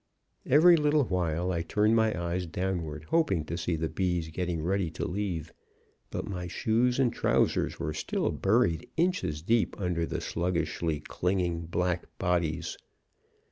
"Every little while I turned my eyes downward, hoping to see the bees getting ready to leave. But my shoes and trousers were still buried inches deep under the sluggishly clinging black bodies.